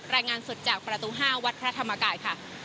รายงานสดจากประตู๕วัดพระธรรมกายค่ะ